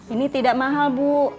ini tidak mahal bu